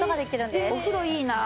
お風呂いいなあ。